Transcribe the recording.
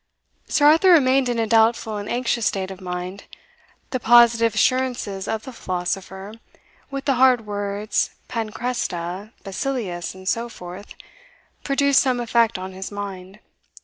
Sir Arthur remained in a doubtful and anxious state of mind. The positive assurances of the philosopher, with the hard words Panchresta, Basilius, and so forth, produced some effect on his mind.